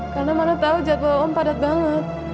karena mano tahu jadwal om padat banget